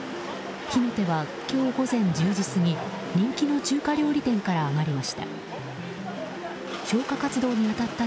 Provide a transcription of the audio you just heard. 火の手は今日午前１０時過ぎ人気の中華料理店から上がりました。